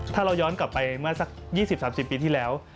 ถ้าเราย้อนกลับไปเมื่อสัก๒๐๓๐ปีที่แล้ว